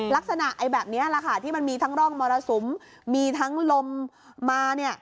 ลักษณะแบบนี้แหละค่ะที่มันมีทั้งร่องมรสุมมีทั้งลมมาเนี่ย